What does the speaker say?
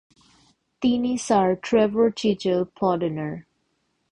তিনি sir Trevor চীচেল-প্লডেণের